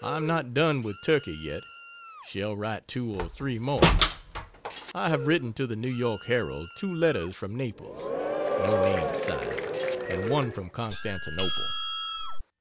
I am not done with Turkey yet. Shall write 2 or 3 more. I have written to the New York Herald 2 letters from Naples, (no name signed,) and 1 from Constantinople.